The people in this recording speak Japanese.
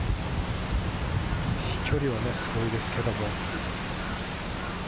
飛距離はすごいですけれども。